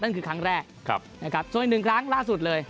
นั่นคือครั้งแรกนะครับส่วนอีกหนึ่งครั้งล่าสุดเลย